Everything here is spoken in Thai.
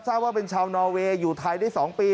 ทราบว่าเป็นชาวนอเวย์อยู่ไทยได้๒ปี